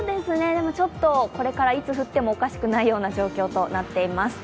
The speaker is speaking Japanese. でも、これからいつ降ってもおかしくないような状況となっています。